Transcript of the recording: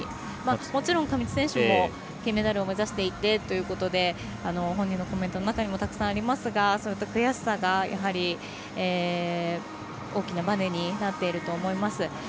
もちろん上地選手も金メダルを目指していてということで本人のコメントの中にもたくさんありますがそういった悔しさがやはり、大きなバネになっていると思います。